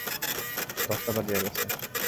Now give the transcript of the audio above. দশটা বাজিয়া গেছে।